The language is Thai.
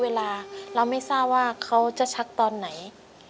เวลาเราไม่ทราบว่าเขาจะชักตอนไหน